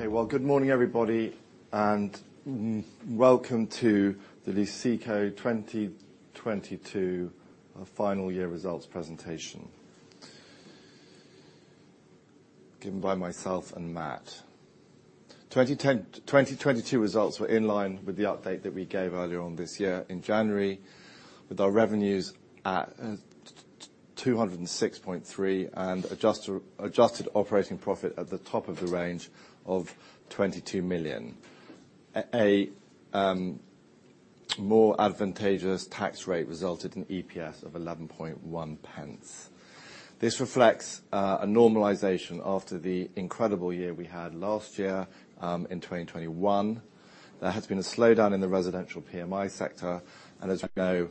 Okay. Well, good morning, everybody, and welcome to the Luceco 2022 Final Year Results Presentation. Given by myself and Matt. 2022 results were in line with the update that we gave earlier on this year in January, with our revenues at 206.3, and adjusted operating profit at the top of the range of 22 million. A more advantageous tax rate resulted in EPS of 11.1 pence. This reflects a normalization after the incredible year we had last year in 2021. There has been a slowdown in the residential RMI sector. As we know,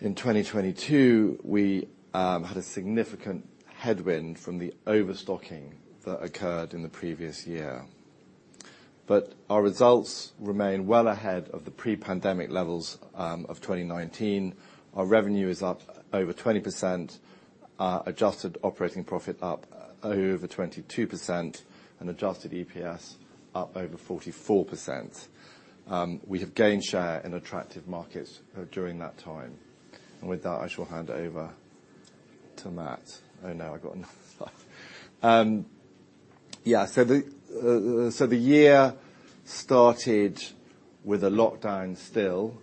in 2022, we had a significant headwind from the overstocking that occurred in the previous year. Our results remain well ahead of the pre-pandemic levels of 2019. Our revenue is up over 20%, our adjusted operating profit up over 22% and adjusted EPS up over 44%. We have gained share in attractive markets during that time. With that, I shall hand over to Matt. Now I got nothing. The year started with a lockdown still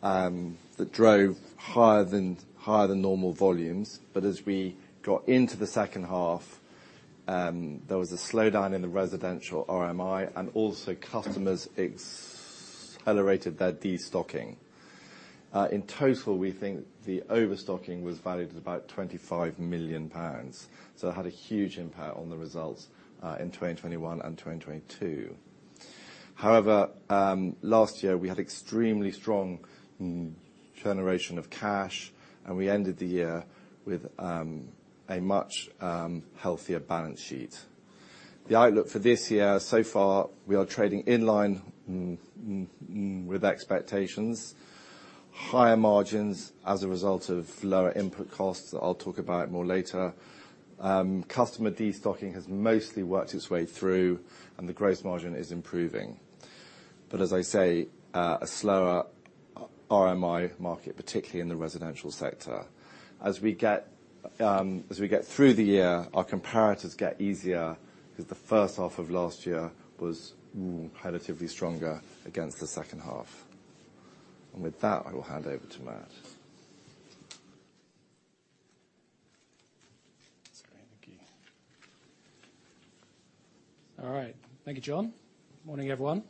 that drove higher than normal volumes. As we got into the second half, there was a slowdown in the residential RMI and also customers accelerated their destocking. In total, we think the overstocking was valued at about 25 million pounds. It had a huge impact on the results in 2021 and 2022. However, last year, we had extremely strong generation of cash, and we ended the year with a much healthier balance sheet. The outlook for this year, so far we are trading in line with expectations, higher margins as a result of lower input costs. I'll talk about more later. Customer destocking has mostly worked its way through and the gross margin is improving. As I say, a slower RMI market, particularly in the residential sector. As we get through the year, our comparators get easier because the first half of last year was relatively stronger against the second half. With that, I will hand over to Matt. Sorry. Thank you. All right. Thank you, John. Morning, everyone.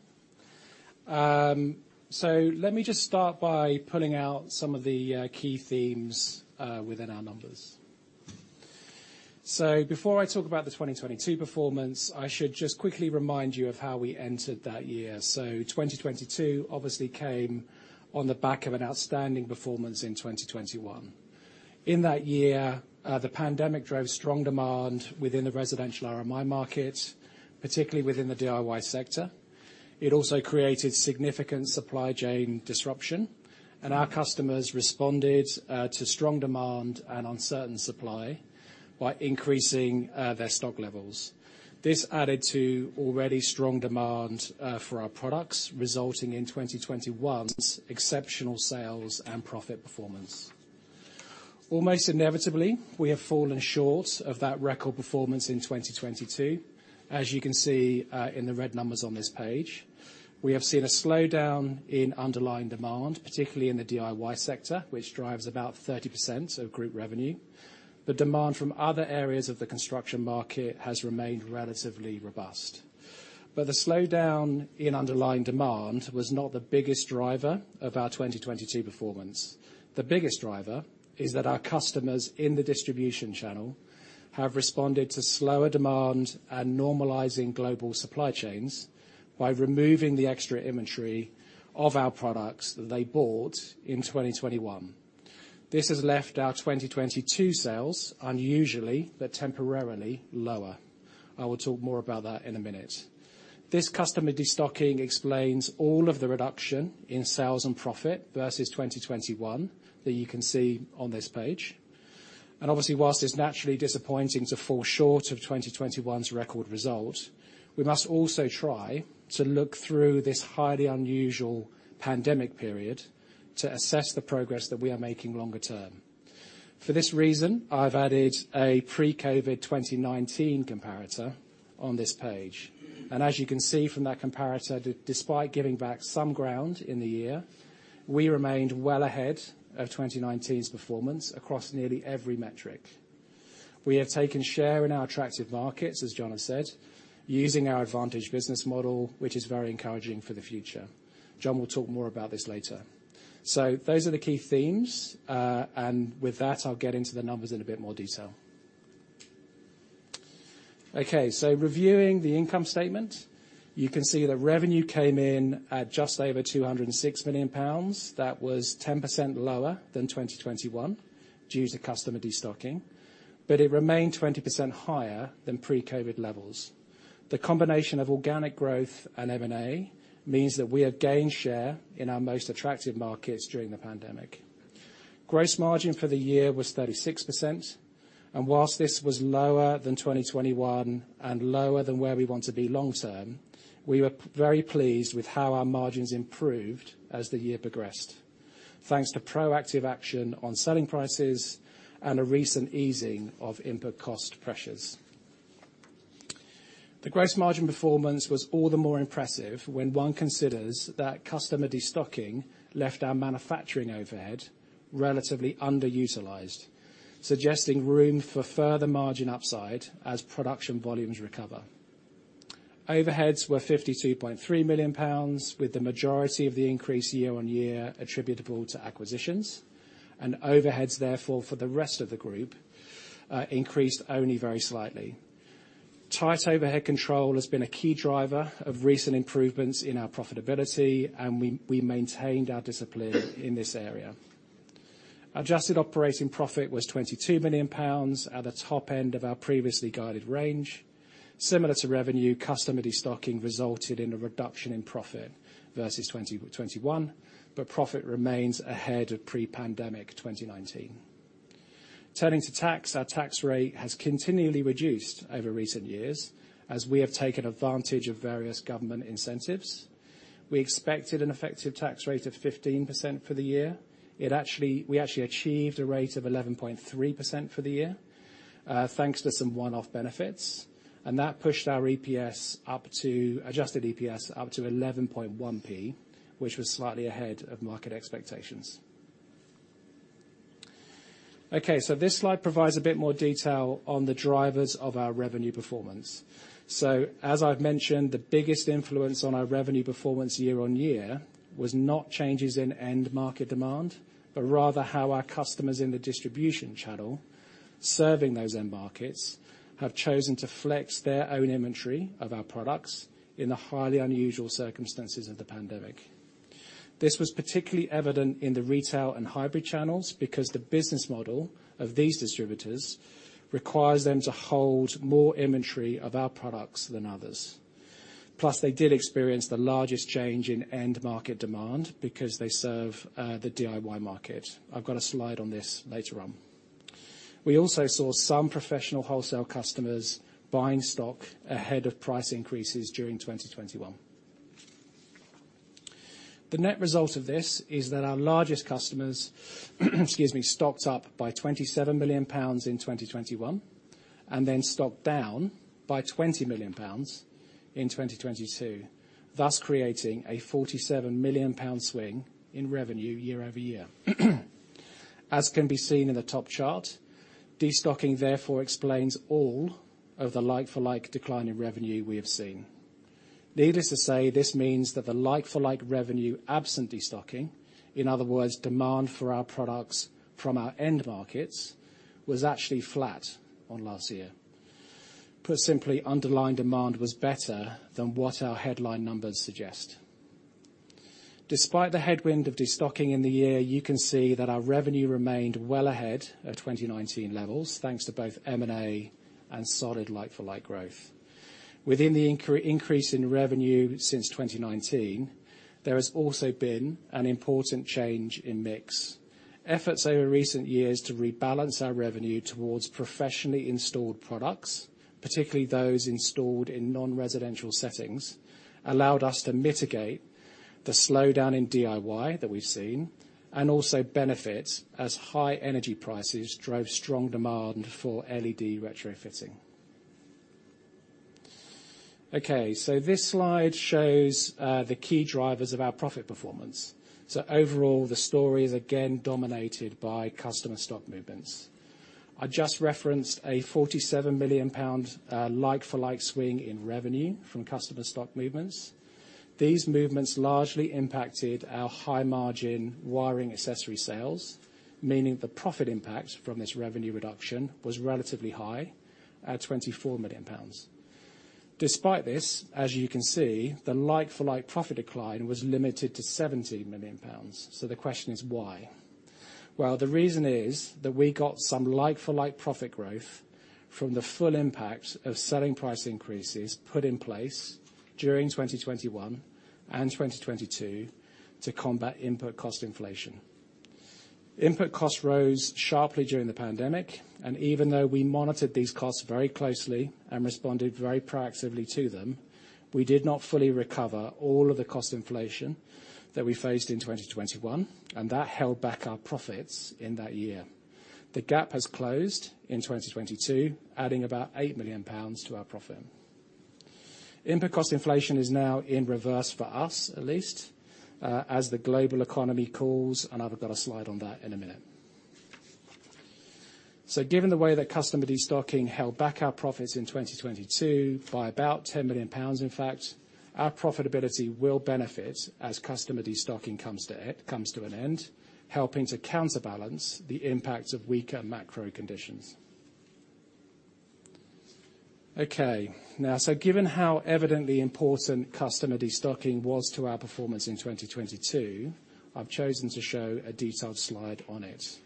So let me just start by pulling out some of the key themes within our numbers. Before I talk about the 2022 performance, I should just quickly remind you of how we entered that year. 2022 obviously came on the back of an outstanding performance in 2021. In that year, the pandemic drove strong demand within the residential RMI market, particularly within the DIY sector. It also created significant supply chain disruption. Our customers responded to strong demand and uncertain supply by increasing their stock levels. This added to already strong demand for our products, resulting in 2021's exceptional sales and profit performance. Almost inevitably, we have fallen short of that record performance in 2022, as you can see, in the red numbers on this page. We have seen a slowdown in underlying demand, particularly in the DIY sector, which drives about 30% of group revenue. The demand from other areas of the construction market has remained relatively robust. The slowdown in underlying demand was not the biggest driver of our 2022 performance. The biggest driver is that our customers in the distribution channel have responded to slower demand and normalizing global supply chains by removing the extra inventory of our products that they bought in 2021. This has left our 2022 sales unusually, but temporarily lower. I will talk more about that in a minute. This customer destocking explains all of the reduction in sales and profit versus 2021 that you can see on this page. Obviously, whilst it's naturally disappointing to fall short of 2021's record result, we must also try to look through this highly unusual pandemic period to assess the progress that we are making longer term. For this reason, I've added a pre-COVID 2019 comparator on this page. As you can see from that comparator, despite giving back some ground in the year, we remained well ahead of 2019's performance across nearly every metric. We have taken share in our attractive markets, as John has said, using our advantage business model, which is very encouraging for the future. John will talk more about this later. Those are the key themes. With that, I'll get into the numbers in a bit more detail. Okay. Reviewing the income statement, you can see that revenue came in at just over 206 million pounds. That was 10% lower than 2021 due to customer destocking, but it remained 20% higher than pre-COVID levels. The combination of organic growth and M&A means that we have gained share in our most attractive markets during the pandemic. Gross margin for the year was 36%, and whilst this was lower than 2021 and lower than where we want to be long term, we were very pleased with how our margins improved as the year progressed, thanks to proactive action on selling prices and a recent easing of input cost pressures. The gross margin performance was all the more impressive when one considers that customer destocking left our manufacturing overhead relatively underutilized, suggesting room for further margin upside as production volumes recover. Overheads were 52.3 million pounds, with the majority of the increase year-over-year attributable to acquisitions. Overheads, therefore, for the rest of the group, increased only very slightly. Tight overhead control has been a key driver of recent improvements in our profitability, and we maintained our discipline in this area. Adjusted operating profit was 22 million pounds at the top end of our previously guided range. Similar to revenue, customer destocking resulted in a reduction in profit versus 2021, but profit remains ahead of pre-pandemic 2019. Turning to tax, our tax rate has continually reduced over recent years as we have taken advantage of various government incentives. We expected an effective tax rate of 15% for the year. We actually achieved a rate of 11.3% for the year, thanks to some one-off benefits, that pushed our adjusted EPS up to 11.1p, which was slightly ahead of market expectations. This slide provides a bit more detail on the drivers of our revenue performance. As I've mentioned, the biggest influence on our revenue performance year-on-year was not changes in end market demand, but rather how our customers in the distribution channel serving those end markets have chosen to flex their own inventory of our products in the highly unusual circumstances of the pandemic. This was particularly evident in the retail and hybrid channels because the business model of these distributors requires them to hold more inventory of our products than others. They did experience the largest change in end market demand because they serve the DIY market. I've got a slide on this later on. We also saw some professional wholesale customers buying stock ahead of price increases during 2021. The net result of this is that our largest customers, excuse me, stocked up by 27 million pounds in 2021 and then stocked down by 20 million pounds in 2022, thus creating a 47 million pound swing in revenue year-over-year. As can be seen in the top chart, destocking therefore explains all of the like-for-like decline in revenue we have seen. Needless to say, this means that the like-for-like revenue absent destocking, in other words, demand for our products from our end markets, was actually flat on last year. Put simply, underlying demand was better than what our headline numbers suggest. Despite the headwind of destocking in the year, you can see that our revenue remained well ahead of 2019 levels, thanks to both M&A and solid like for like growth. Within the increase in revenue since 2019, there has also been an important change in mix. Efforts over recent years to rebalance our revenue towards professionally installed products, particularly those installed in non-residential settings, allowed us to mitigate the slowdown in DIY that we've seen, and also benefit as high energy prices drove strong demand for LED retrofitting. This slide shows the key drivers of our profit performance. Overall, the story is again dominated by customer stock movements. I just referenced a 47 million pound like for like swing in revenue from customer stock movements. These movements largely impacted our high-margin wiring accessory sales, meaning the profit impact from this revenue reduction was relatively high at 24 million pounds. Despite this, as you can see, the like for like profit decline was limited to GBP 17 million. The question is why? Well, the reason is that we got some like for like profit growth from the full impact of selling price increases put in place during 2021 and 2022 to combat input cost inflation. Input costs rose sharply during the pandemic. Even though we monitored these costs very closely and responded very proactively to them, we did not fully recover all of the cost inflation that we faced in 2021. That held back our profits in that year. The gap has closed in 2022, adding about GBP 8 million to our profit. Input cost inflation is now in reverse for us, at least, as the global economy calls, and I've got a slide on that in a minute. Given the way that customer destocking held back our profits in 2022 by about 10 million pounds, in fact, our profitability will benefit as customer destocking comes to an end, helping to counterbalance the impacts of weaker macro conditions. Okay. Given how evidently important customer destocking was to our performance in 2022, I've chosen to show a detailed slide on it.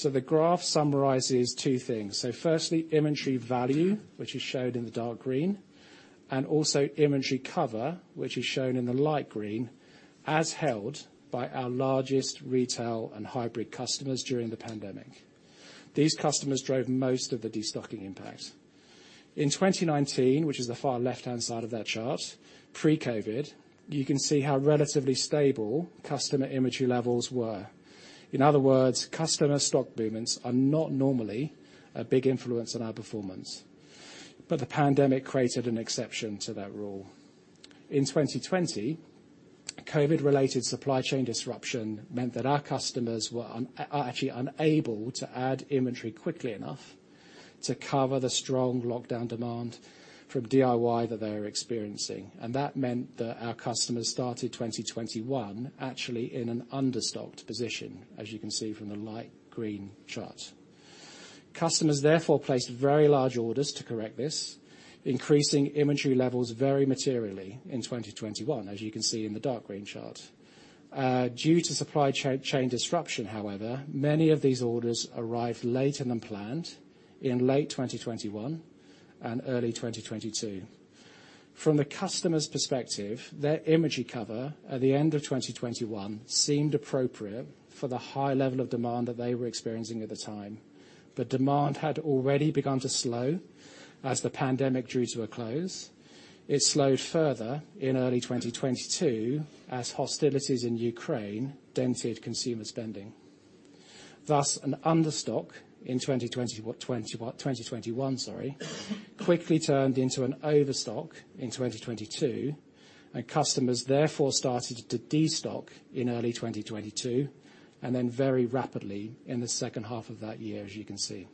The graph summarizes two things. Firstly, inventory value, which is shown in the dark green, and also inventory cover, which is shown in the light green, as held by our largest retail and hybrid customers during the pandemic. These customers drove most of the destocking impact. In 2019, which is the far left-hand side of that chart, pre-COVID, you can see how relatively stable customer inventory levels were. In other words, customer stock movements are not normally a big influence on our performance. The pandemic created an exception to that rule. In 2020, COVID-related supply chain disruption meant that our customers are actually unable to add inventory quickly enough to cover the strong lockdown demand from DIY that they were experiencing. That meant that our customers started 2021 actually in an understocked position, as you can see from the light green chart. Customers therefore placed very large orders to correct this, increasing inventory levels very materially in 2021, as you can see in the dark green chart. Due to supply chain disruption, however, many of these orders arrived later than planned in late 2021 and early 2022. From the customer's perspective, their inventory cover at the end of 2021 seemed appropriate for the high level of demand that they were experiencing at the time. Demand had already begun to slow as the pandemic drew to a close. It slowed further in early 2022 as hostilities in Ukraine dented consumer spending. An understock in 2021, sorry, quickly turned into an overstock in 2022, and customers therefore started to destock in early 2022 and then very rapidly in the second half of that year, as you can see.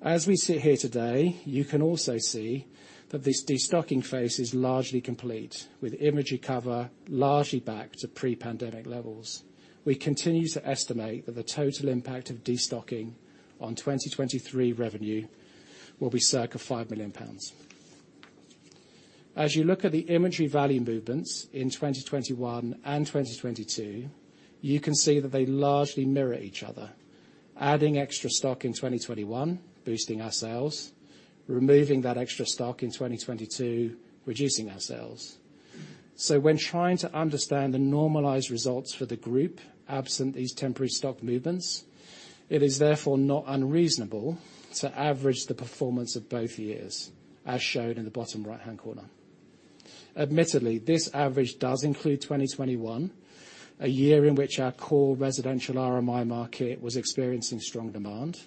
As we sit here today, you can also see that this destocking phase is largely complete, with inventory cover largely back to pre-pandemic levels. We continue to estimate that the total impact of destocking on 2023 revenue will be circa 5 million pounds. As you look at the inventory value movements in 2021 and 2022, you can see that they largely mirror each other, adding extra stock in 2021, boosting our sales, removing that extra stock in 2022, reducing our sales. When trying to understand the normalized results for the group absent these temporary stock movements, it is therefore not unreasonable to average the performance of both years, as shown in the bottom right-hand corner. Admittedly, this average does include 2021, a year in which our core residential RMI market was experiencing strong demand.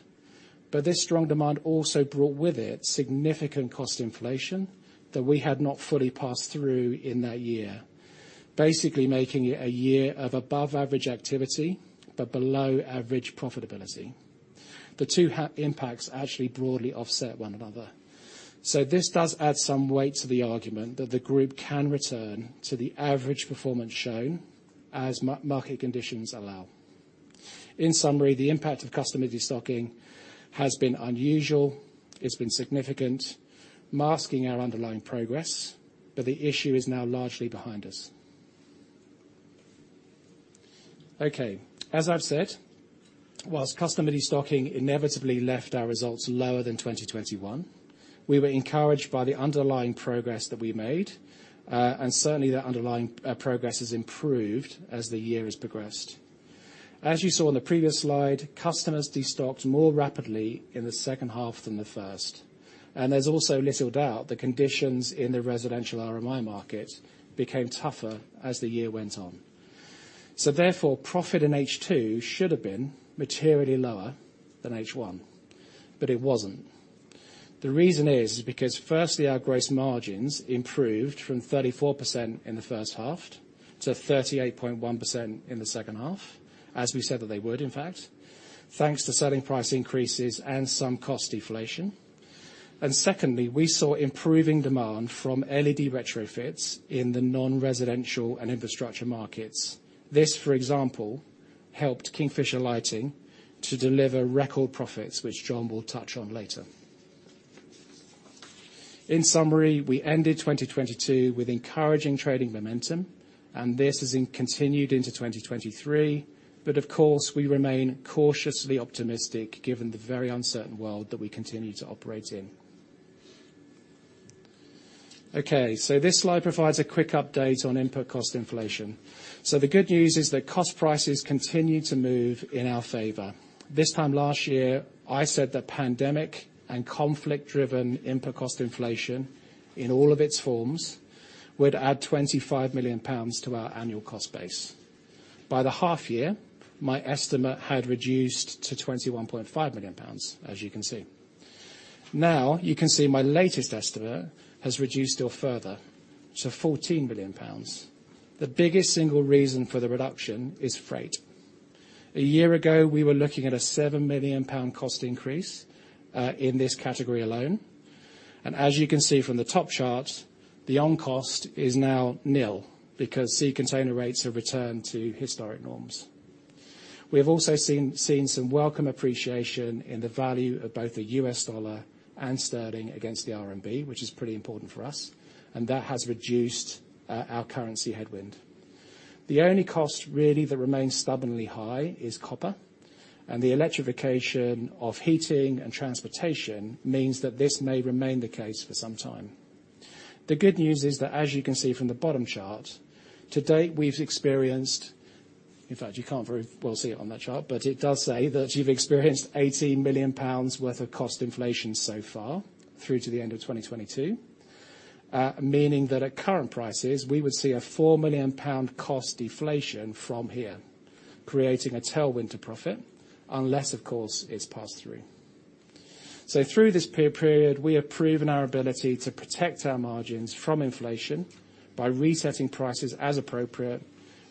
This strong demand also brought with it significant cost inflation that we had not fully passed through in that year, basically making it a year of above average activity, but below average profitability. The two impacts actually broadly offset one another. This does add some weight to the argument that the group can return to the average performance shown as market conditions allow. In summary, the impact of customer destocking has been unusual, it's been significant, masking our underlying progress, but the issue is now largely behind us. Okay. As I've said, whilst customer destocking inevitably left our results lower than 2021, we were encouraged by the underlying progress that we made, and certainly that underlying progress has improved as the year has progressed. As you saw in the previous slide, customers destocked more rapidly in the second half than the first. There's also little doubt the conditions in the residential RMI market became tougher as the year went on. Therefore, profit in H2 should have been materially lower than H1, but it wasn't. The reason is because firstly, our gross margins improved from 34% in the first half to 38.1% in the second half, as we said that they would, in fact, thanks to selling price increases and some cost deflation. Secondly, we saw improving demand from LED retrofits in the non-residential and infrastructure markets. This, for example, helped Kingfisher Lighting to deliver record profits, which John will touch on later. In summary, we ended 2022 with encouraging trading momentum, and this has continued into 2023. Of course, we remain cautiously optimistic given the very uncertain world that we continue to operate in. This slide provides a quick update on input cost inflation. The good news is that cost prices continue to move in our favor. This time last year, I said that pandemic and conflict-driven input cost inflation, in all of its forms, would add 25 million pounds to our annual cost base. By the half year, my estimate had reduced to 21.5 million pounds, as you can see. You can see my latest estimate has reduced still further to 14 million pounds. The biggest single reason for the reduction is freight. A year ago, we were looking at a 7 million pound cost increase in this category alone. As you can see from the top chart, the on cost is now nil because sea container rates have returned to historic norms. We have also seen some welcome appreciation in the value of both the US dollar and sterling against the RMB, which is pretty important for us. That has reduced our currency headwind. The only cost really that remains stubbornly high is copper. The electrification of heating and transportation means that this may remain the case for some time. The good news is that as you can see from the bottom chart, to date we've experienced, in fact, you can't very well see it on that chart, but it does say that you've experienced 80 million pounds worth of cost inflation so far through to the end of 2022. Meaning that at current prices, we would see a 4 million pound cost deflation from here, creating a tailwind to profit, unless, of course, it's passed through. Through this period, we have proven our ability to protect our margins from inflation by resetting prices as appropriate,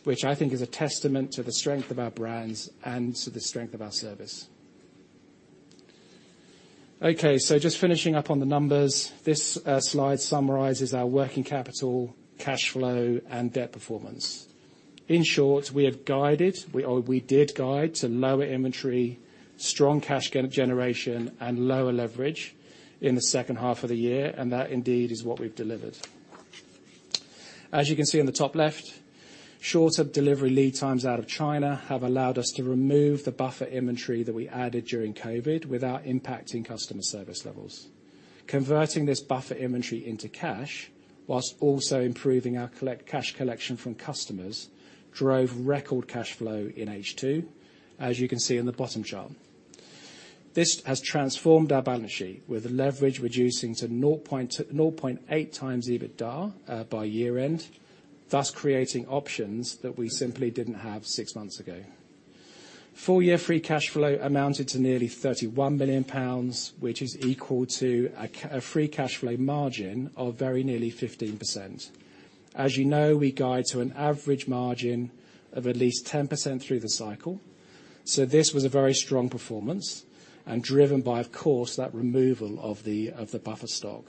which I think is a testament to the strength of our brands and to the strength of our service. Just finishing up on the numbers. This slide summarizes our working capital, cash flow and debt performance. In short, we have guided or we did guide to lower inventory, strong cash generation, and lower leverage in the second half of the year, and that indeed is what we've delivered. As you can see on the top left, shorter delivery lead times out of China have allowed us to remove the buffer inventory that we added during COVID without impacting customer service levels. Converting this buffer inventory into cash, while also improving our cash collection from customers, drove record cash flow in H2, as you can see in the bottom chart. This has transformed our balance sheet, with leverage reducing to 0.8 times EBITDA by year-end, thus creating options that we simply didn't have six months ago. Full year free cash flow amounted to nearly 31 million pounds, which is equal to a free cash flow margin of very nearly 15%. As you know, we guide to an average margin of at least 10% through the cycle, so this was a very strong performance and driven by, of course, that removal of the buffer stock.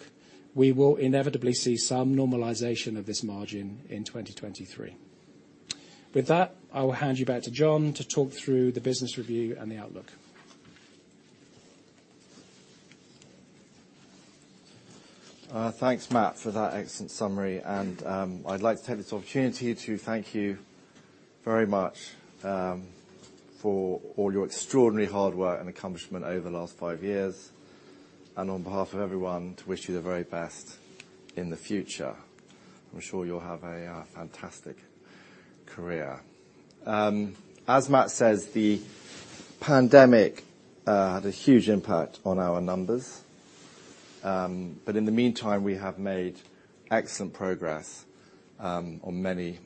We will inevitably see some normalization of this margin in 2023. With that, I will hand you back to John to talk through the business review and the outlook. Thanks, Matt, for that excellent summary. I'd like to take this opportunity to thank you very much for all your extraordinary hard work and accomplishment over the last five years. On behalf of everyone, to wish you the very best in the future. I'm sure you'll have a fantastic career. As Matt says, the pandemic had a huge impact on our numbers. In the meantime, we have made excellent progress on many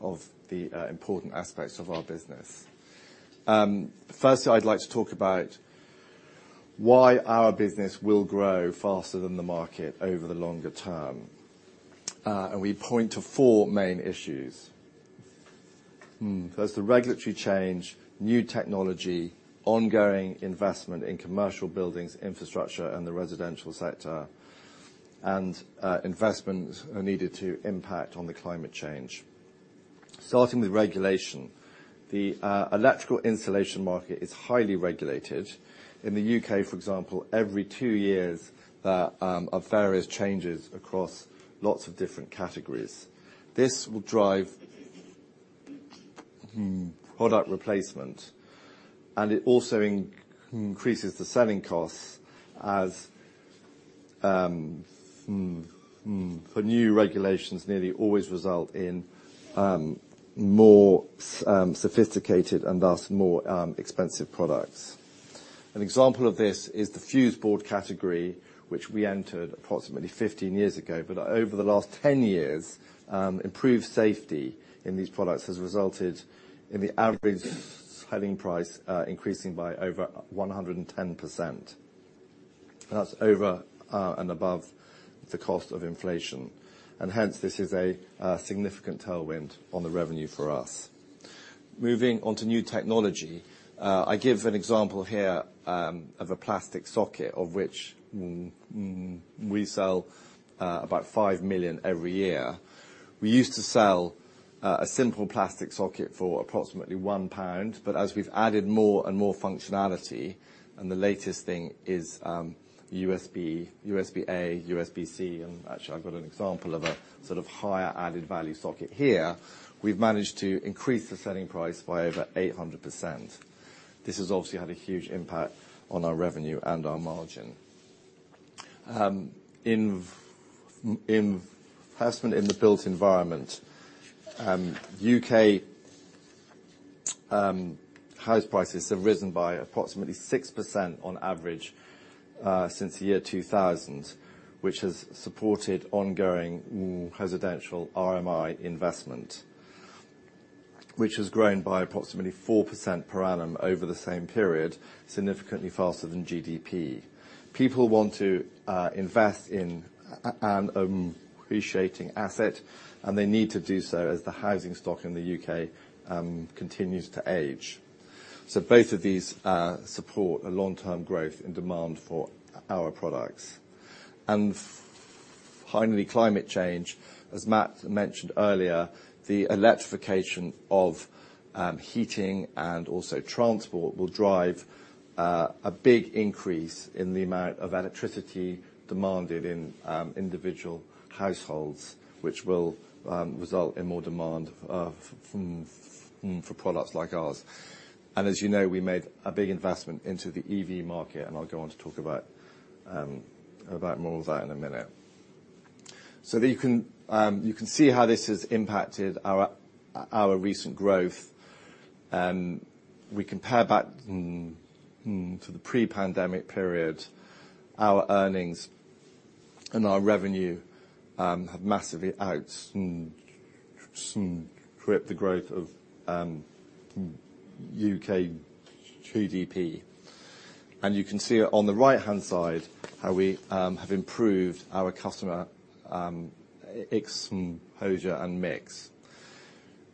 of the important aspects of our business. Firstly, I'd like to talk about why our business will grow faster than the market over the longer term. We point to four main issues. There's the regulatory change, new technology, ongoing investment in commercial buildings, infrastructure in the residential sector, and investments are needed to impact on the climate change. Starting with regulation. The electrical installation market is highly regulated. In the UK, for example, every two years, there are various changes across lots of different categories. This will drive product replacement, and it also increases the selling costs as for new regulations nearly always result in more sophisticated and thus more expensive products. An example of this is the fuse board category, which we entered approximately 15 years ago. Over the last 10 years, improved safety in these products has resulted in the average selling price increasing by over 110%. That's over and above the cost of inflation, and hence this is a significant tailwind on the revenue for us. Moving on to new technology, I give an example here of a plastic socket of which we sell about 5 million every year. We used to sell a simple plastic socket for approximately 1 pound. As we've added more and more functionality, the latest thing is USB-A, USB-C. Actually, I've got an example of a sort of higher added value socket here. We've managed to increase the selling price by over 800%. This has obviously had a huge impact on our revenue and our margin. In investment in the built environment, UK house prices have risen by approximately 6% on average since the year 2000, which has supported ongoing residential RMI investment. Which has grown by approximately 4% per annum over the same period, significantly faster than GDP. People want to invest in an appreciating asset, and they need to do so as the housing stock in the UK continues to age. Both of these support a long-term growth in demand for our products. Finally, climate change. As Matt mentioned earlier, the electrification of heating and also transport will drive a big increase in the amount of electricity demanded in individual households, which will result in more demand for products like ours. As you know, we made a big investment into the EV market, and I'll go on to talk about more of that in a minute. That you can see how this has impacted our recent growth, we compare back to the pre-pandemic period. Our earnings and our revenue have massively out stripped the growth of U.K. GDP. You can see on the right-hand side how we have improved our customer exposure and mix.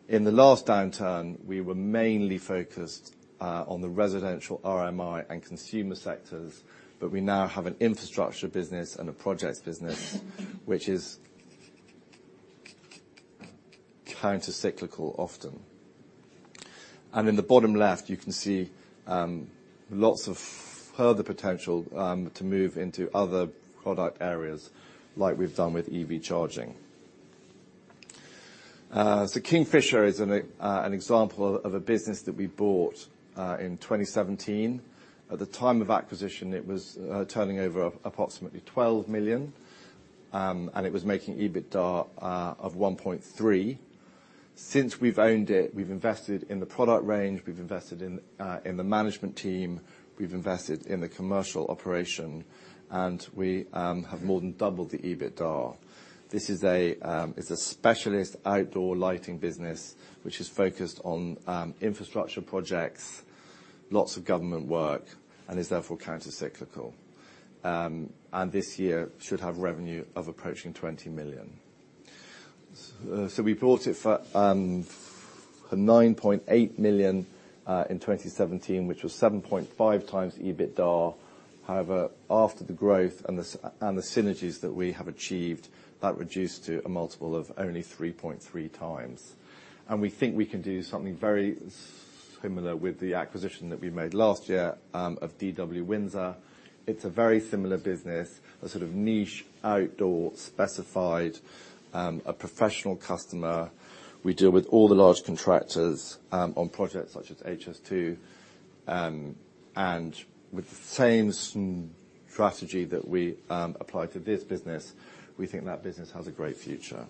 In the last downturn, we were mainly focused on the residential RMI and consumer sectors, but we now have an infrastructure business and a projects business, which is countercyclical often. In the bottom left, you can see lots of further potential to move into other product areas like we've done with EV charging. Kingfisher is an example of a business that we bought in 2017. At the time of acquisition, it was turning over approximately 12 million, and it was making EBITDA of 1.3 million. Since we've owned it, we've invested in the product range, we've invested in the management team, we've invested in the commercial operation, and we have more than doubled the EBITDA. This is a specialist outdoor lighting business which is focused on infrastructure projects, lots of government work, and is therefore countercyclical. This year should have revenue of approaching 20 million. We bought it for 9.8 million in 2017, which was 7.5x EBITDA. However, after the growth and the synergies that we have achieved, that reduced to a multiple of only 3.3x. We think we can do something very similar with the acquisition that we made last year of DW Windsor. It's a very similar business, a sort of niche, outdoor, specified, a professional customer. We deal with all the large contractors on projects such as HS2. With the same strategy that we apply to this business, we think that business has a great future.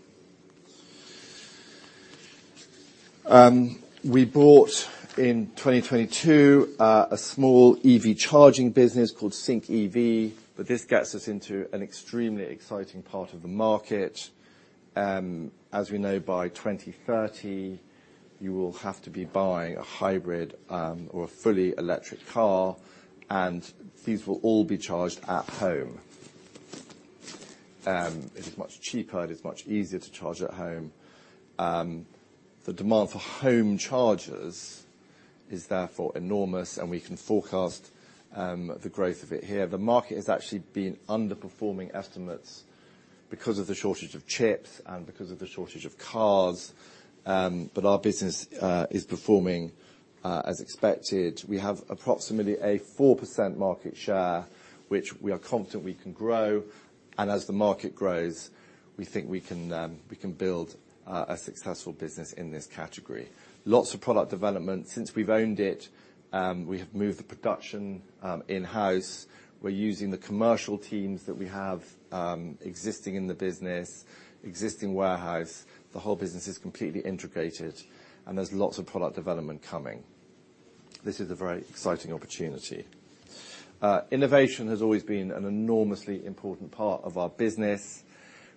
We bought in 2022, a small EV charging business called Sync EV. This gets us into an extremely exciting part of the market. As we know, by 2030, you will have to be buying a hybrid or a fully electric car, and these will all be charged at home. It is much cheaper, and it's much easier to charge at home. The demand for home chargers is therefore enormous, and we can forecast the growth of it here. The market has actually been underperforming estimates because of the shortage of chips and because of the shortage of cars, but our business is performing as expected. We have approximately a 4% market share, which we are confident we can grow. As the market grows, we think we can build a successful business in this category. Lots of product development. Since we've owned it, we have moved the production in-house. We're using the commercial teams that we have existing in the business, existing warehouse. The whole business is completely integrated, and there's lots of product development coming. This is a very exciting opportunity. Innovation has always been an enormously important part of our business.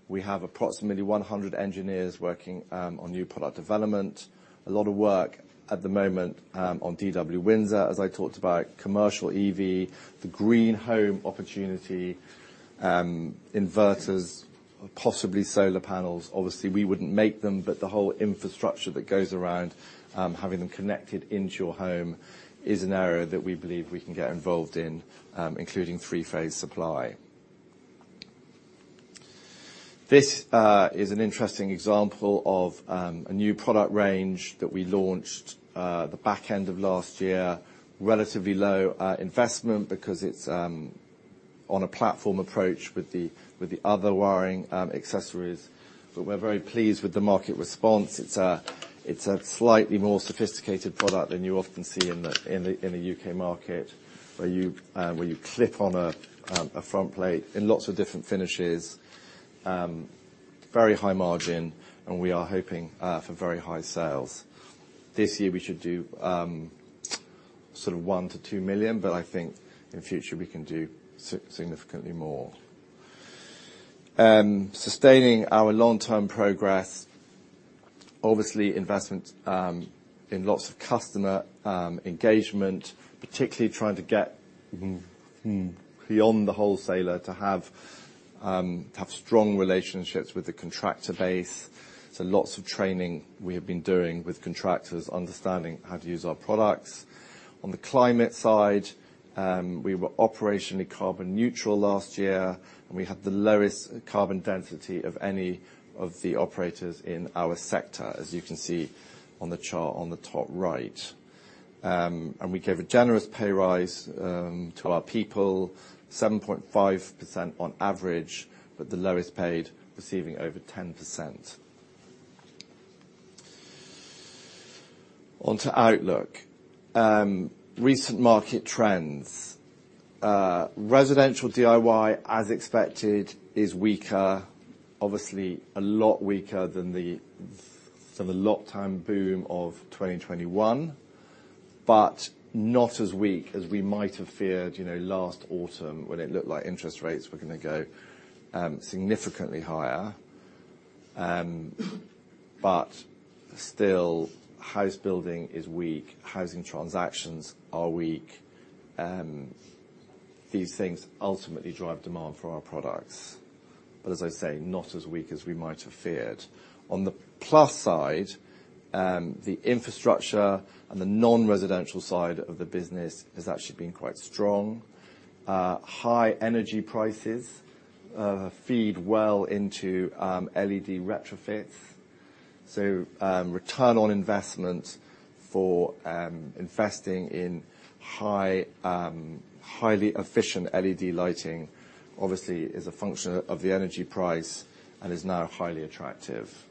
We have approximately 100 engineers working on new product development. A lot of work at the moment, on DW Windsor, as I talked about, commercial EV, the green home opportunity, inverters, possibly solar panels. Obviously, we wouldn't make them, but the whole infrastructure that goes around, having them connected into your home is an area that we believe we can get involved in, including three-phase supply. This is an interesting example of a new product range that we launched the back end of last year. Relatively low investment because it's on a platform approach with the other wiring accessories. We're very pleased with the market response. It's a slightly more sophisticated product than you often see in the U.K. market, where you clip on a front plate in lots of different finishes. Very high margin. We are hoping for very high sales. This year we should do sort of 1 million-2 million, but I think in future we can do significantly more. Sustaining our long-term progress. Obviously, investment in lots of customer engagement, particularly trying to get beyond the wholesaler to have strong relationships with the contractor base. Lots of training we have been doing with contractors, understanding how to use our products. On the climate side, we were operationally carbon neutral last year. We had the lowest carbon density of any of the operators in our sector, as you can see on the chart on the top right. We gave a generous pay rise to our people, 7.5% on average, with the lowest paid receiving over 10%. On to outlook. Recent market trends. Residential DIY, as expected, is weaker, obviously a lot weaker than the sort of a lot-time boom of 2021, but not as weak as we might have feared, you know, last autumn when it looked like interest rates were going to go significantly higher. Still, house building is weak, housing transactions are weak. These things ultimately drive demand for our products. As I say, not as weak as we might have feared. On the plus side, the infrastructure and the non-residential side of the business has actually been quite strong. High energy prices feed well into LED retrofits. Return on investment for investing in high, highly efficient LED lighting, obviously is a function of the energy price and is now highly attractive.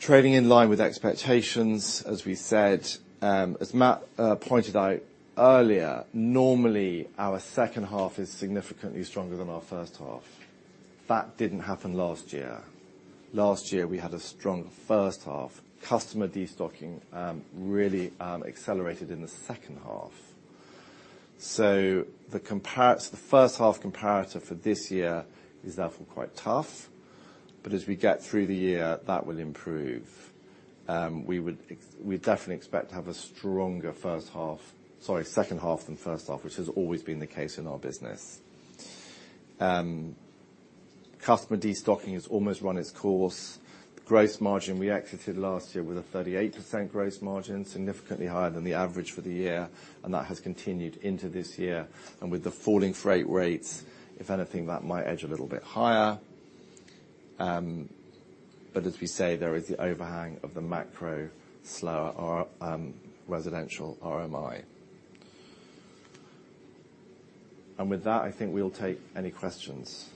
Trading in line with expectations, as we said, as Matt pointed out earlier, normally our second half is significantly stronger than our first half. That didn't happen last year. Last year, we had a strong first half. Customer destocking really accelerated in the second half. The first half comparator for this year is therefore quite tough. As we get through the year, that will improve. We definitely expect to have a stronger first half, sorry, second half than first half, which has always been the case in our business. Customer destocking has almost run its course. Gross margin, we exited last year with a 38% gross margin, significantly higher than the average for the year, and that has continued into this year. With the falling freight rates, if anything, that might edge a little bit higher. As we say, there is the overhang of the macro slower or residential RMI. With that, I think we'll take any questions.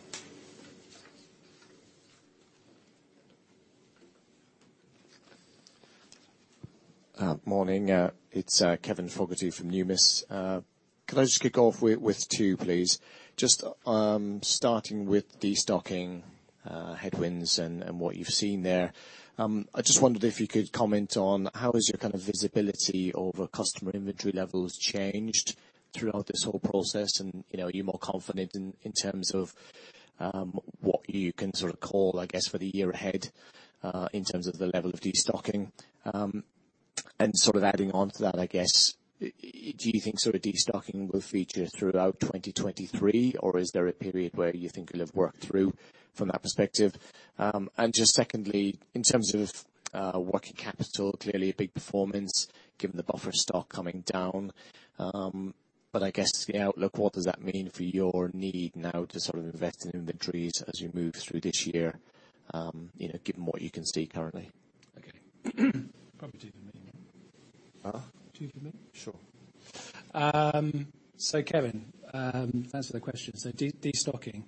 Morning. It's Kevin Fogarty from Numis. Could I just kick off with two, please? Starting with destocking headwinds and what you've seen there. I just wondered if you could comment on how has your kind of visibility over customer inventory levels changed throughout this whole process? You know, are you more confident in terms of what you can sort of call, I guess, for the year ahead, in terms of the level of destocking? Sort of adding on to that, I guess, do you think sort of destocking will feature throughout 2023, or is there a period where you think it'll have worked through from that perspective? Just secondly, in terms of working capital, clearly a big performance given the buffer stock coming down. I guess the outlook, what does that mean for your need now to sort of invest in inventories as you move through this year, you know, given what you can see currently? Okay. Probably to you. Uh-huh. To you. Sure. Kevin, thanks for the question. Destocking.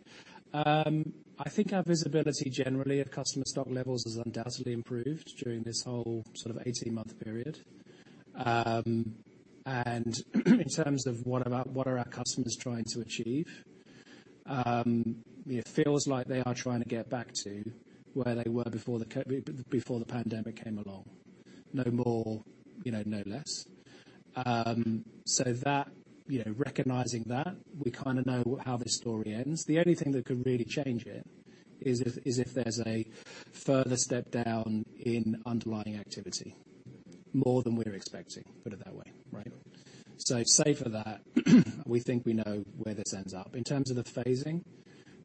I think our visibility generally at customer stock levels has undoubtedly improved during this whole sort of 18-month period. In terms of what are our customers trying to achieve, it feels like they are trying to get back to where they were before the pandemic came along. No more, you know, no less. That, you know, recognizing that we kinda know how this story ends. The only thing that could really change it is if there's a further step down in underlying activity, more than we're expecting, put it that way, right? Save for that, we think we know where this ends up. In terms of the phasing,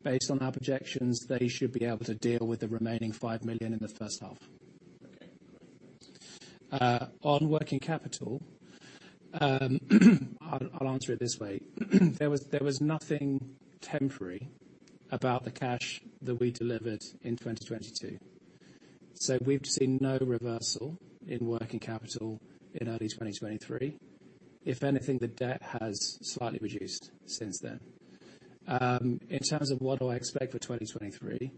based on our projections, they should be able to deal with the remaining 5 million in the first half. Okay. On working capital, I'll answer it this way. There was nothing temporary about the cash that we delivered in 2022. We've seen no reversal in working capital in early 2023. If anything, the debt has slightly reduced since then. In terms of what do I expect for 2023,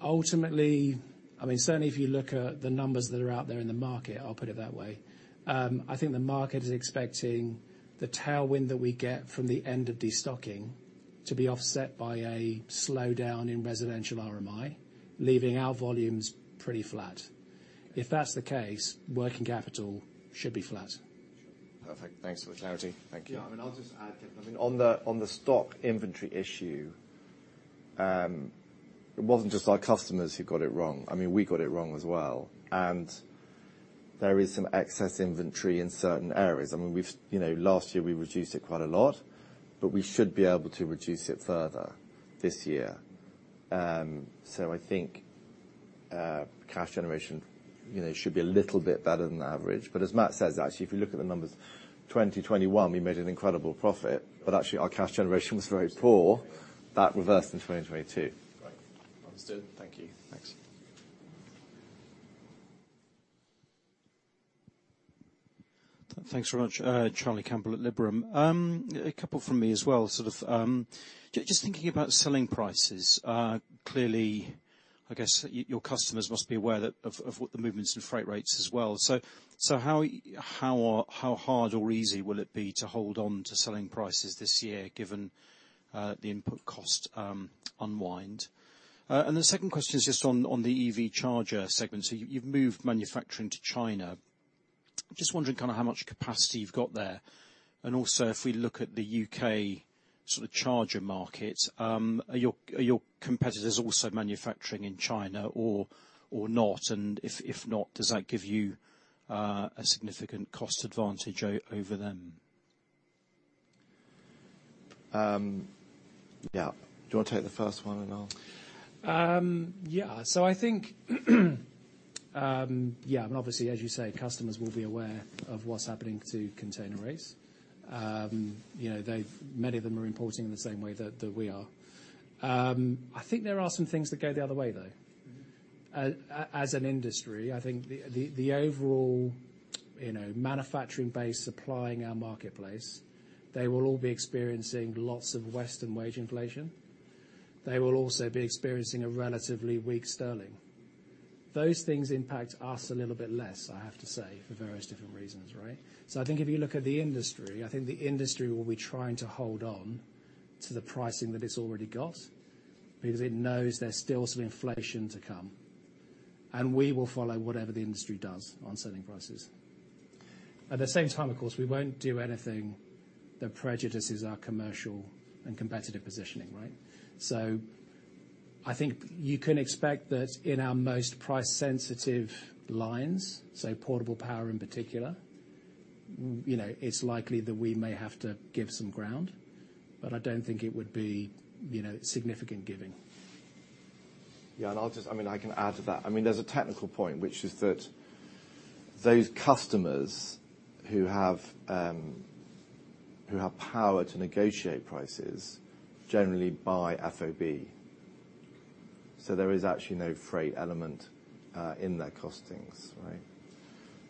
ultimately, I mean, certainly if you look at the numbers that are out there in the market, I'll put it that way, I think the market is expecting the tailwind that we get from the end of destocking to be offset by a slowdown in residential RMI, leaving our volumes pretty flat. If that's the case, working capital should be flat. Perfect. Thanks for the clarity. Thank you. Yeah. I mean, I'll just add, I mean, on the stock inventory issue, it wasn't just our customers who got it wrong. I mean, we got it wrong as well, and there is some excess inventory in certain areas. I mean, we've, you know, last year we reduced it quite a lot, but we should be able to reduce it further this year. I think cash generation, you know, should be a little bit better than average. As Matt says, actually, if you look at the numbers, 2021 we made an incredible profit, but actually, our cash generation was very poor. That reversed in 2022. Right. Understood. Thank you. Thanks. Thanks very much. Charlie Campbell at Liberum. A couple from me as well, just thinking about selling prices, clearly, I guess your customers must be aware that, of what the movements in freight rates as well. How hard or easy will it be to hold on to selling prices this year given the input cost unwind? The second question is just on the EV charger segment. You've moved manufacturing to China. Just wondering kinda how much capacity you've got there. Also, if we look at the UK sort of charger market, are your competitors also manufacturing in China or not? If not, does that give you a significant cost advantage over them? Yeah. Do you wanna take the first one and I'll... Yeah. I think yeah, and obviously, as you say, customers will be aware of what's happening to container rates. You know, many of them are importing the same way that we are. I think there are some things that go the other way, though. Mm-hmm. As an industry, I think the overall, you know, manufacturing base supplying our marketplace, they will all be experiencing lots of Western wage inflation. They will also be experiencing a relatively weak sterling. Those things impact us a little bit less, I have to say, for various different reasons, right? I think if you look at the industry, I think the industry will be trying to hold on to the pricing that it's already got because it knows there's still some inflation to come. We will follow whatever the industry does on selling prices. At the same time, of course, we won't do anything that prejudices our commercial and competitive positioning, right? I think you can expect that in our most price-sensitive lines, say portable power in particular, you know, it's likely that we may have to give some ground, but I don't think it would be, you know, significant giving. Yeah. I mean, I can add to that. I mean, there's a technical point, which is that those customers who have power to negotiate prices generally buy FOB. There is actually no freight element in their costings, right?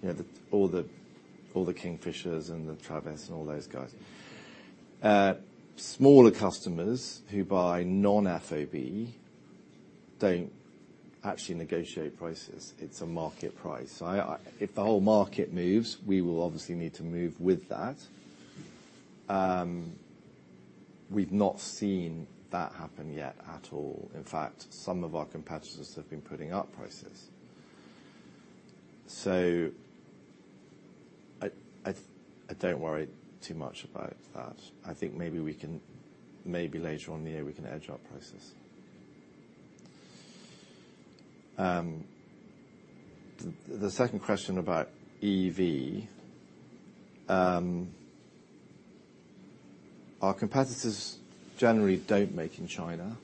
You know, all the Kingfishers and the Travis and all those guys. Smaller customers who buy non-FOB don't actually negotiate prices. It's a market price. If the whole market moves, we will obviously need to move with that. We've not seen that happen yet at all. In fact, some of our competitors have been putting up prices. I don't worry too much about that. I think maybe we can, maybe later on in the year we can edge our prices. The second question about EV, our competitors generally don't make in China.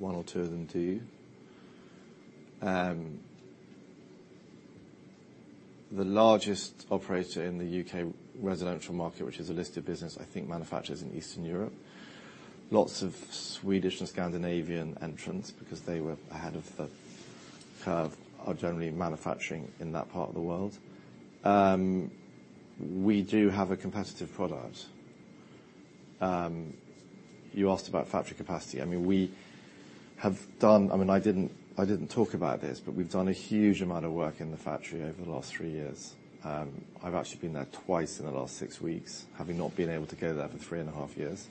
One or two of them do. The largest operator in the U.K. residential market, which is a listed business, I think manufactures in Eastern Europe. Lots of Swedish and Scandinavian entrants, because they were ahead of the curve, are generally manufacturing in that part of the world. We do have a competitive product. You asked about factory capacity. I mean, I didn't talk about this, but we've done a huge amount of work in the factory over the last three years. I've actually been there twice in the last six weeks, having not been able to go there for three and a half years.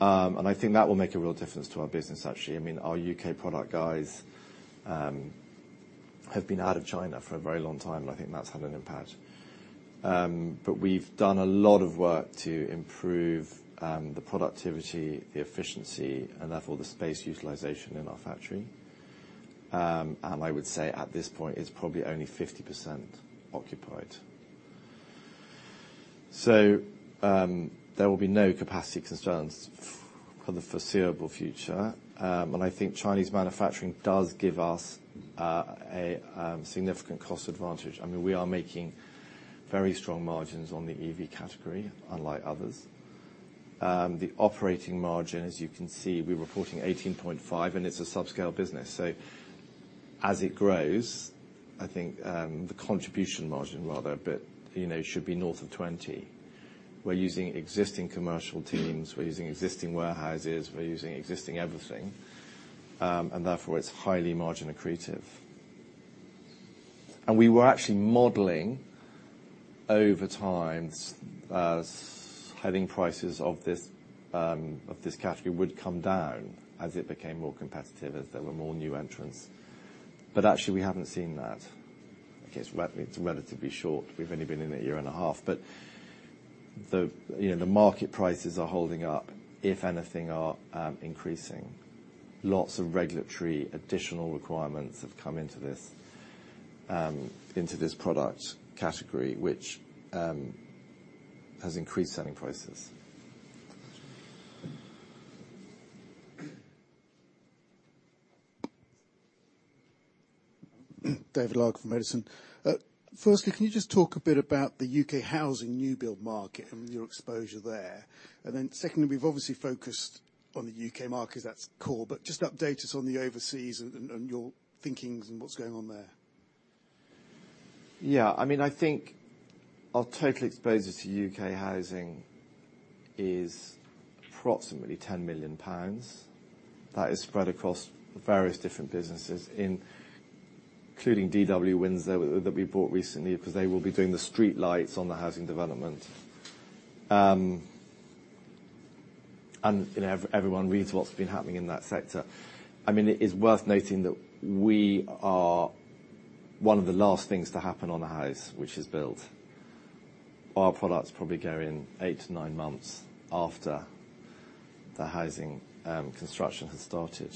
I think that will make a real difference to our business actually. I mean, our U.K. product guys have been out of China for a very long time, and I think that's had an impact. We've done a lot of work to improve the productivity, the efficiency, and therefore the space utilization in our factory. I would say at this point, it's probably only 50% occupied. There will be no capacity constraints for the foreseeable future. I think Chinese manufacturing does give us a significant cost advantage. I mean, we are making very strong margins on the EV category, unlike others. The operating margin, as you can see, we're reporting 18.5%, and it's a subscale business. As it grows, I think, the contribution margin rather, but, you know, should be north of 20%. We're using existing commercial teams, we're using existing warehouses, we're using existing everything. Therefore, it's highly margin accretive. We were actually modeling over time as having prices of this, of this category would come down as it became more competitive, as there were more new entrants. Actually we haven't seen that. It's relatively short. We've only been in it a year and a half. The, you know, the market prices are holding up, if anything, are, increasing. Lots of regulatory additional requirements have come into this, into this product category, which, has increased selling prices. David Larkam from Edison. firstly, can you just talk a bit about the U.K. housing new build market and your exposure there? secondly, we've obviously focused on the U.K. market 'cause that's core, but just update us on the overseas and your thinkings and what's going on there? Yeah. I mean, I think our total exposure to UK housing is approximately 10 million pounds. That is spread across various different businesses including DW Windsor that we bought recently, 'cause they will be doing the streetlights on the housing development. You know, everyone reads what's been happening in that sector. I mean, it is worth noting that we are one of the last things to happen on a house which is built. Our products probably go in eight to nine months after the housing construction has started.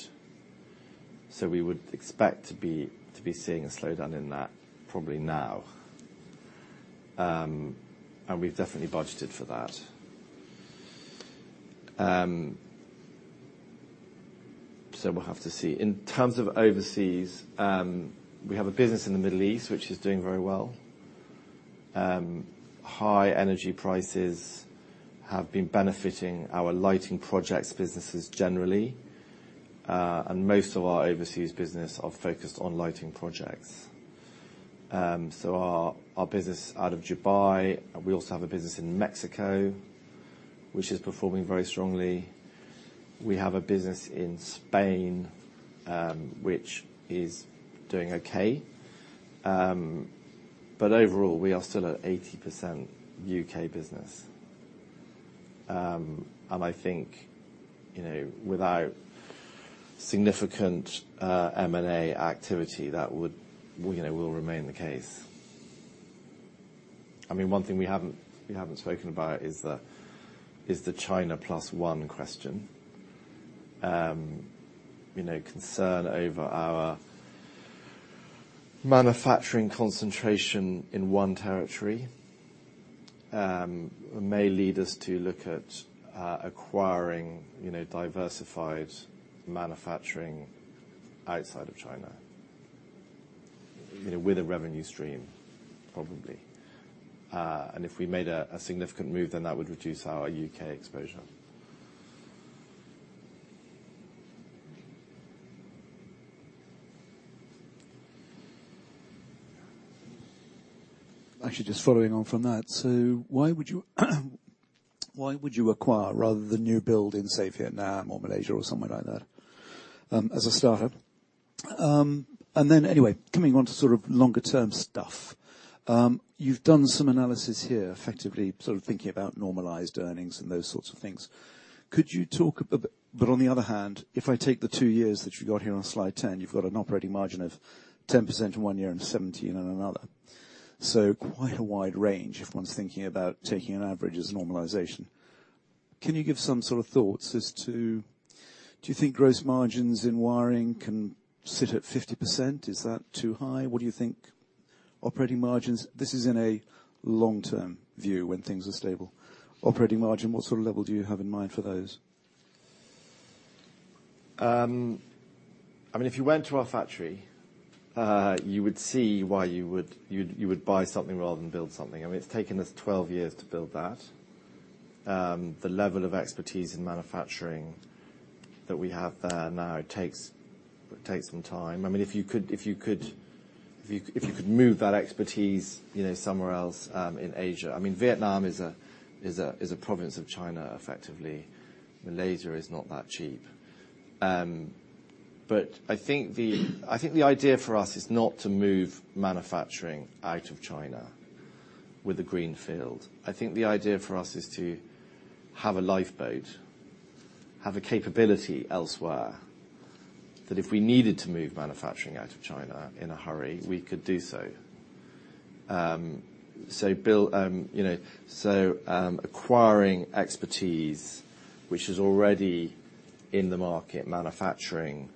We would expect to be seeing a slowdown in that probably now. We've definitely budgeted for that. We'll have to see. In terms of overseas, we have a business in the Middle East, which is doing very well. High energy prices have been benefiting our lighting projects businesses generally. Most of our overseas business are focused on lighting projects. Our business out of Dubai, we also have a business in Mexico, which is performing very strongly. We have a business in Spain, which is doing okay. Overall, we are still a 80% UK business. I think, you know, without significant M&A activity will remain the case. I mean, one thing we haven't spoken about is the China plus one question. You know, concern over our manufacturing concentration in one territory may lead us to look at acquiring, you know, diversified manufacturing outside of China, you know, with a revenue stream, probably. If we made a significant move, then that would reduce our UK exposure. Actually, just following on from that. Why would you acquire rather than new build in, say, Vietnam or Malaysia or somewhere like that, as a starter? Anyway, coming on to sort of longer-term stuff. You've done some analysis here, effectively sort of thinking about normalized earnings and those sorts of things. On the other hand, if I take the two years that you got here on slide 10, you've got an operating margin of 10% in one year and 17% in another. Quite a wide range if one's thinking about taking an average as a normalization. Can you give some sort of thoughts as to do you think gross margins in wiring can sit at 50%? Is that too high? What do you think operating margins... This is in a long-term view when things are stable. Operating margin, what sort of level do you have in mind for those? I mean, if you went to our factory, you would see why you would buy something rather than build something. I mean, it's taken us 12 years to build that. The level of expertise in manufacturing that we have there now, it takes some time. I mean, if you could move that expertise, you know, somewhere else in Asia. I mean, Vietnam is a province of China, effectively. Malaysia is not that cheap. I think the idea for us is not to move manufacturing out of China with a greenfield. I think the idea for us is to have a lifeboat, have a capability elsewhere, that if we needed to move manufacturing out of China in a hurry, we could do so. Build, you know. Acquiring expertise which is already in the market, manufacturing,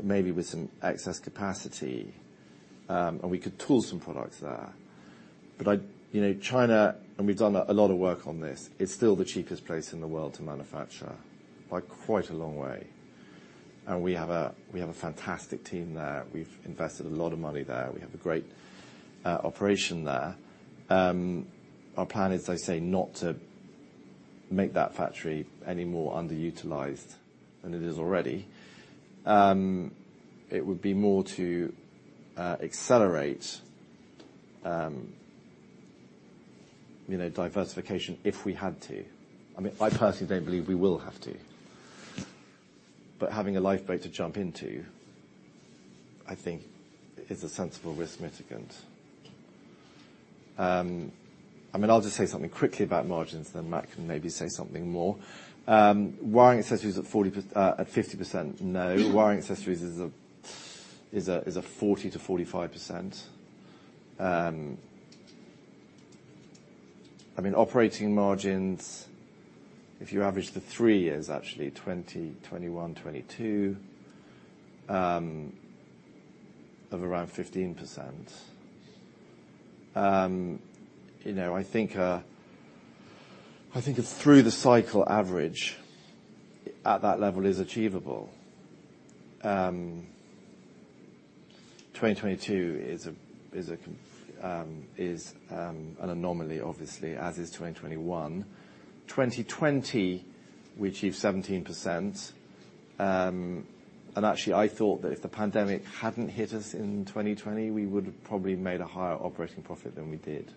maybe with some excess capacity, and we could tool some products there. You know, China, and we've done a lot of work on this, is still the cheapest place in the world to manufacture, by quite a long way. We have a fantastic team there. We've invested a lot of money there. We have a great operation there. Our plan is, as I say, not to make that factory any more underutilized than it is already. It would be more to accelerate, you know, diversification if we had to. I mean, I personally don't believe we will have to. Having a lifeboat to jump into, I think is a sensible risk mitigant. I mean, I'll just say something quickly about margins, then Matt can maybe say something more. Wiring accessories at 40%, at 50%? No. Wiring accessories is a 40%-45%. I mean, operating margins, if you average the three years actually, 2020, 2021, 2022, of around 15%. You know, I think, I think a through the cycle average at that level is achievable. 2022 is an anomaly obviously, as is 2021. 2020, we achieved 17%. Actually I thought that if the pandemic hadn't hit us in 2020, we would have probably made a higher operating profit than we did,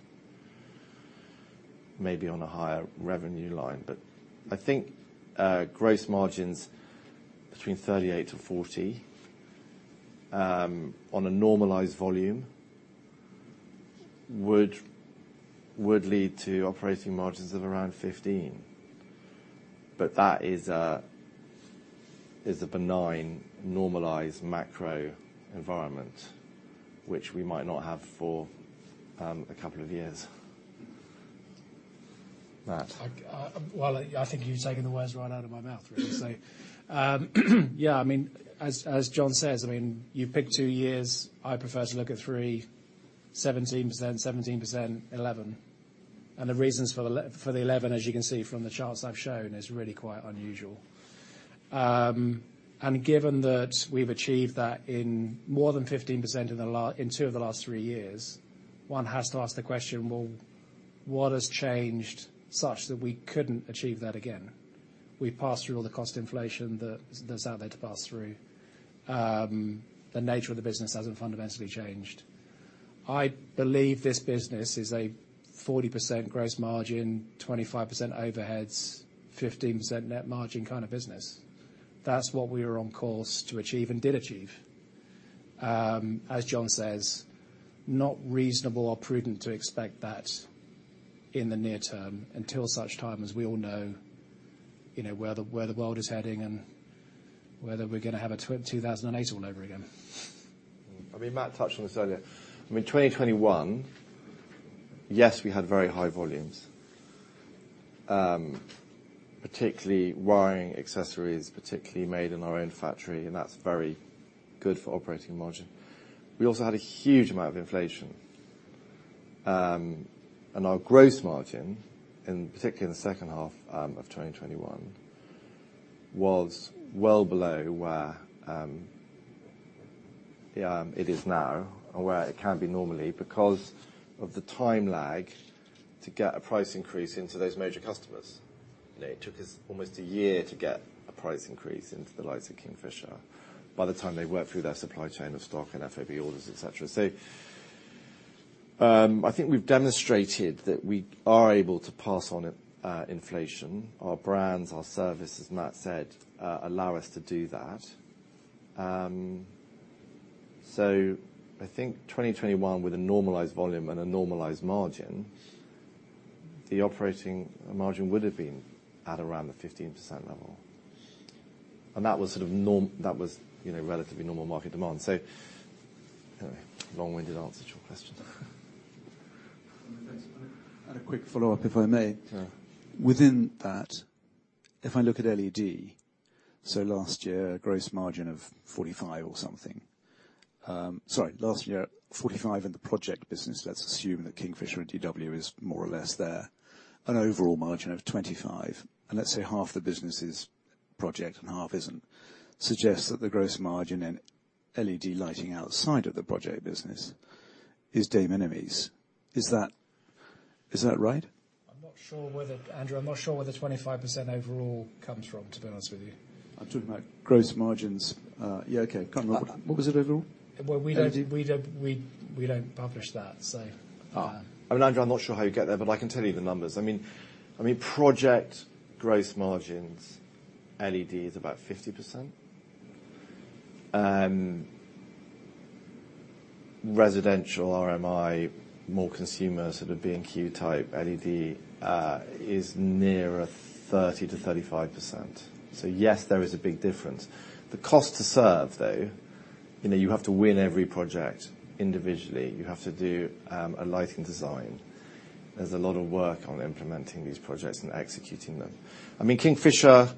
maybe on a higher revenue line. I think, gross margins between 38%-40%, on a normalized volume would lead to operating margins of around 15%. That is a benign, normalized macro environment, which we might not have for a couple of years. Matt? Well, I think you've taken the words right out of my mouth really, so yeah. I mean, as John says, you've picked two years, I prefer to look at 3. 17%, 17%, 11%. The reasons for the 11%, as you can see from the charts I've shown, is really quite unusual. Given that we've achieved that in more than 15% in two of the last three years, one has to ask the question, well, what has changed such that we couldn't achieve that again? We've passed through all the cost inflation that's out there to pass through. The nature of the business hasn't fundamentally changed. I believe this business is a 40% gross margin, 25% overheads, 15% net margin kind of business. That's what we are on course to achieve and did achieve. As John says, not reasonable or prudent to expect that in the near term until such time as we all know, you know, where the world is heading and whether we're gonna have 2008 all over again. I mean, Matt touched on this earlier. I mean, 2021, yes, we had very high volumes, particularly wiring accessories, particularly made in our own factory, and that's very good for operating margin. We also had a huge amount of inflation. Our gross margin, in particular in the second half of 2021, was well below where it is now, or where it can be normally because of the time lag to get a price increase into those major customers. You know, it took us almost a year to get a price increase into the likes of Kingfisher. By the time they work through their supply chain of stock and FOB orders, et cetera. I think we've demonstrated that we are able to pass on inflation. Our brands, our services, as Matt said, allow us to do that. I think 2021 with a normalized volume and a normalized margin, the operating margin would have been at around the 15% level. That was, you know, relatively normal market demand. Anyway, long-winded answer to your question. Thanks. A quick follow-up, if I may? Sure. Within that, if I look at LED, last year, gross margin of 45% or something. Sorry, last year, 45% in the project business, let's assume that Kingfisher and DW is more or less there, an overall margin of 25%. Let's say half the business is project and half isn't, suggests that the gross margin in LED lighting outside of the project business is de minimis. Is that right? I'm not sure where Andrew, I'm not sure where the 25% overall comes from, to be honest with you. I'm talking about gross margins. Yeah. Okay. Can't remember. What was it overall? Well, we. LED We don't publish that. Yeah. Well, I'm not sure how you get there, but I can tell you the numbers. Project gross margins, LED is about 50%. Residential RMI, more consumer sort of B&Q type LED, is nearer 30%-35%. Yes, there is a big difference. The cost to serve, though, you know, you have to win every project individually. You have to do a lighting design. There's a lot of work on implementing these projects and executing them. Kingfisher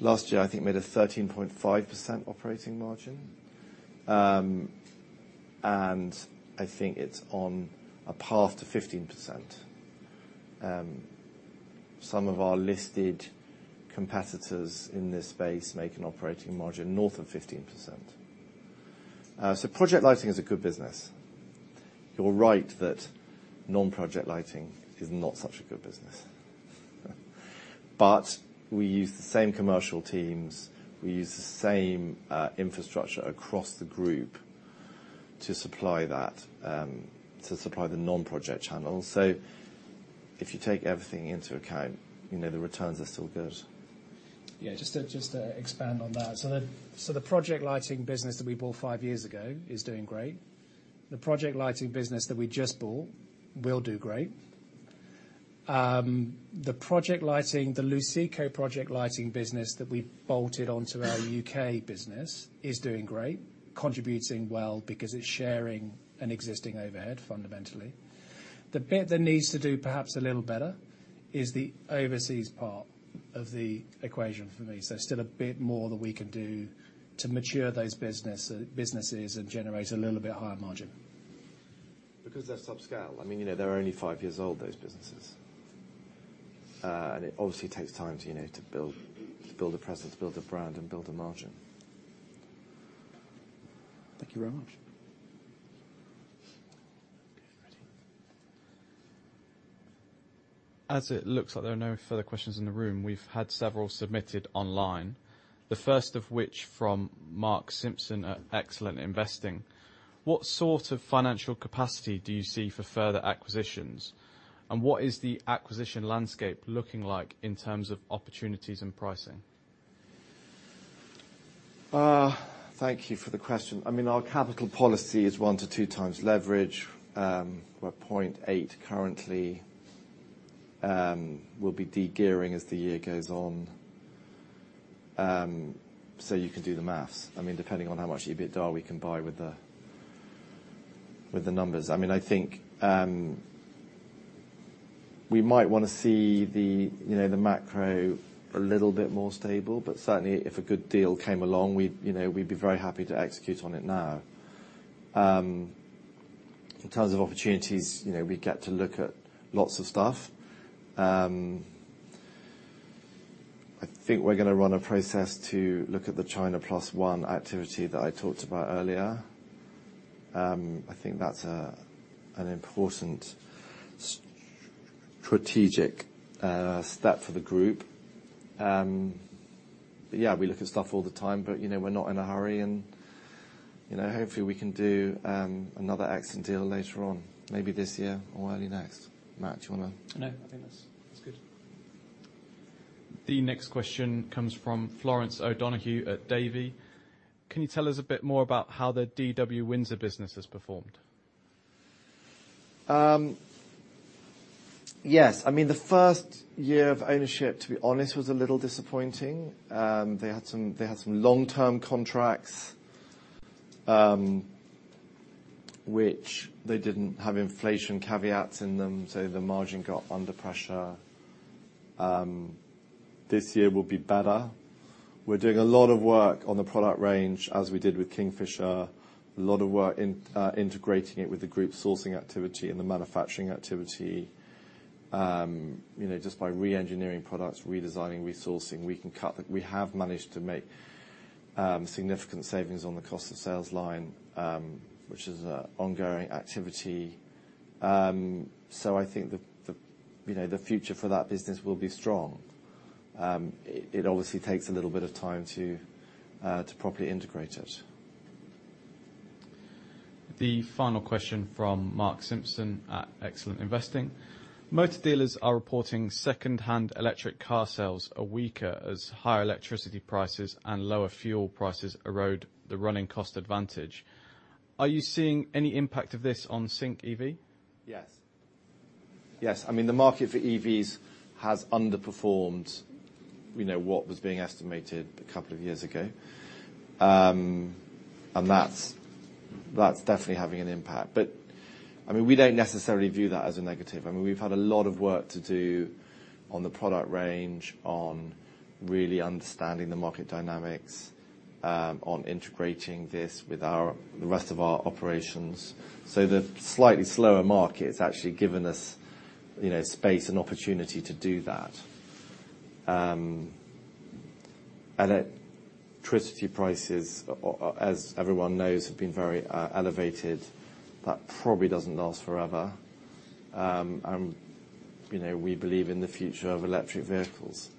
last year, I think, made a 13.5% operating margin. I think it's on a path to 15%. Some of our listed competitors in this space make an operating margin north of 15%. Project lighting is a good business. You're right that non-project lighting is not such a good business. We use the same commercial teams, we use the same infrastructure across the group to supply that, to supply the non-project channels. If you take everything into account, you know, the returns are still good. Yeah, just to expand on that. The project lighting business that we bought five years ago is doing great. The project lighting business that we just bought will do great. The project lighting, the Luceco project lighting business that we bolted onto our UK business is doing great, contributing well because it's sharing an existing overhead fundamentally. The bit that needs to do perhaps a little better is the overseas part of the equation for me. Still a bit more that we can do to mature those businesses and generate a little bit higher margin. They're subscale. I mean, you know, they're only five years old, those businesses. It obviously takes time to, you know, to build, to build a presence, build a brand, and build a margin. Thank you very much. As it looks like there are no further questions in the room, we've had several submitted online, the first of which from Mark Simpson at Excellent Investing. What sort of financial capacity do you see for further acquisitions? What is the acquisition landscape looking like in terms of opportunities and pricing? Thank you for the question. I mean, our capital policy is 1-2x leverage. We're 0.8 currently. We'll be de-gearing as the year goes on. You can do the maths. I mean, depending on how much EBITDA we can buy with the numbers. I mean, I think, we might wanna see the, you know, the macro a little bit more stable, but certainly if a good deal came along, we'd, you know, we'd be very happy to execute on it now. In terms of opportunities, you know, we get to look at lots of stuff. I think we're gonna run a process to look at the China plus one activity that I talked about earlier. I think that's an important strategic step for the group. Yeah, we look at stuff all the time, but, you know, we're not in a hurry and, you know, hopefully we can do another excellent deal later on, maybe this year or early next. Matt, do you wanna. No, I think that's good. The next question comes from Florence O'Donoghue at Davy. Can you tell us a bit more about how the DW Windsor business has performed? Yes. I mean, the first year of ownership, to be honest, was a little disappointing. They had some long-term contracts, which they didn't have inflation caveats in them. The margin got under pressure. This year will be better. We're doing a lot of work on the product range as we did with Kingfisher, a lot of work in integrating it with the group sourcing activity and the manufacturing activity. You know, just by re-engineering products, redesigning, resourcing, we have managed to make significant savings on the cost of sales line, which is an ongoing activity. I think the, you know, the future for that business will be strong. It obviously takes a little bit of time to properly integrate it. The final question from Mark Simpson at Excellent Investing. Motor dealers are reporting second-hand electric car sales are weaker as higher electricity prices and lower fuel prices erode the running cost advantage. Are you seeing any impact of this on Sync EV? Yes. Yes. I mean, the market for EVs has underperformed, you know, what was being estimated a couple of years ago. That's definitely having an impact. I mean, we don't necessarily view that as a negative. I mean, we've had a lot of work to do on the product range, on really understanding the market dynamics, on integrating this with the rest of our operations. The slightly slower market has actually given us, you know, space and opportunity to do that. Electricity prices, as everyone knows, have been very elevated. That probably doesn't last forever. You know, we believe in the future of electric vehicles.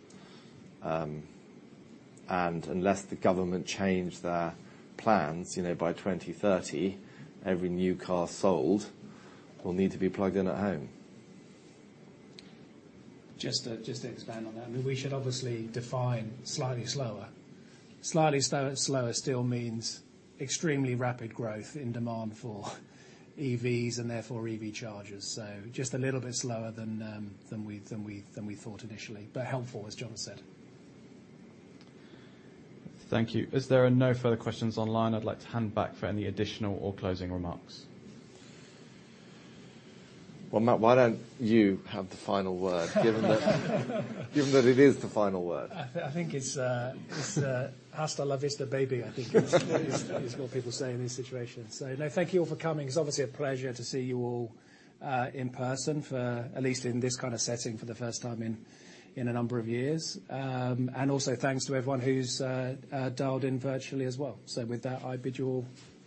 Unless the government change their plans, you know, by 2030, every new car sold will need to be plugged in at home. Just to expand on that. I mean, we should obviously define slightly slower. Slightly slower still means extremely rapid growth in demand for EVs, and therefore EV chargers. Just a little bit slower than we thought initially, but helpful, as John said. Thank you. As there are no further questions online, I'd like to hand back for any additional or closing remarks. Well, Matt, why don't you have the final word given that it is the final word. I think it's hasta la vista, baby, is what people say in these situations. No, thank you all for coming. It's obviously a pleasure to see you all, in person for, at least in this kind of setting, for the first time in a number of years. Also thanks to everyone who's dialed in virtually as well. With that, I bid you all goodbye.